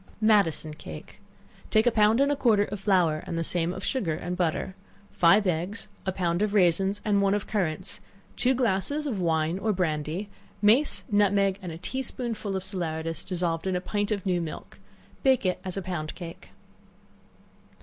Madison Cake. Take a pound and a quarter of flour, and the same of sugar and butter; five eggs, a pound, of raisins, and one of currants; two glasses of wine or brandy; mace, nutmeg, and a tea spoonful of salaeratus, dissolved in a pint of new milk; bake it as pound cake.